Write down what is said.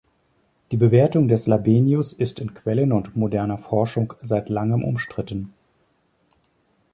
Die Bewertung des Labienus ist in Quellen und moderner Forschung seit langem umstritten.